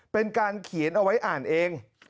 เป็นการเขียนเอาไว้อ่านเอง